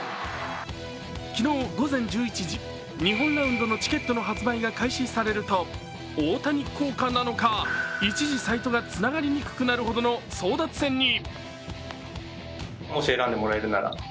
昨日午前１１時、日本ラウンドのチケットの発売が開始されると大谷効果なのか、一時サイトがつながりにくくなるほどの争奪戦に。